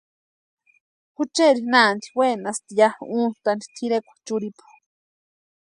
Jucheri nanti wenasti ya untani tʼirekwa churhipu.